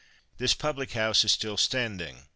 This public house is still standing.